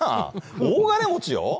大金持ちよ。